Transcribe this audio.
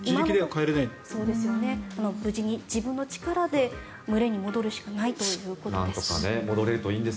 無事に自分の力で群れに戻るしかないということです。